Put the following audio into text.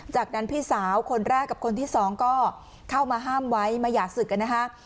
จากนั้นพี่สาวคนแรกกับคนที่สองก็เข้ามาห้ามไว้มาอยากศึกกันนะฮะ